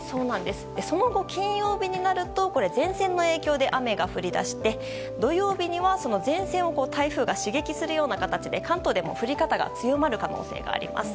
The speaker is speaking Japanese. その後、金曜日になると前線の影響で雨が降り出して土曜日には前線を台風が刺激する形で関東でも降り方が強まる可能性があります。